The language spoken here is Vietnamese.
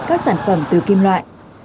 các sản phẩm từ kim loại